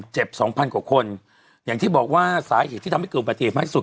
สองพันกว่าคนอย่างที่บอกว่าสาเหตุที่ทำให้เกิดอุบัติเหตุมากสุด